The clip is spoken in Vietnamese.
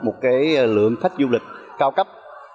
một lượng khách du lịch cao cấp